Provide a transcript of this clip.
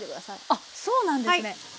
あっそうなんですね。